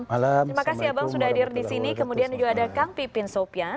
terima kasih abang sudah hadir di sini kemudian juga ada kang pipin sopian